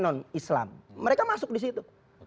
non islam mereka masuk di situ